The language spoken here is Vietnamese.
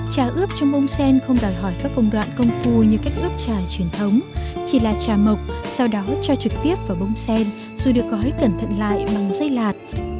trà ướp trong bông sen không đòi hỏi các công đoạn công phu như cách ướp trà truyền thống chỉ là trà mộc sau đó cho trực tiếp vào bông sen rồi được gói cẩn thận lại bằng dây lạt